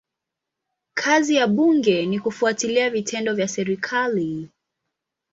Kazi ya bunge ni kufuatilia vitendo vya serikali.